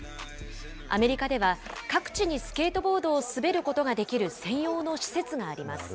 アメリカでは各地にスケートボードを滑ることができる専用の施設があります。